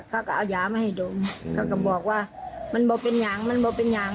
เขาก็เอายามาให้ดมเขาก็บอกว่ามันบอกเป็นอย่างมันบอกเป็นอย่าง